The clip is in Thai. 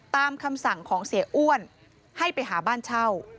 คำสั่งของเสียอ้วนให้ไปหาบ้านเช่า